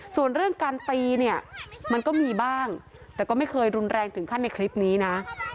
ส่วนเรื่องการตีเนี่ยมันก็มีบ้างแต่ก็ไม่เคยรุนแรงถึงขั้นในคลิปนี้นะ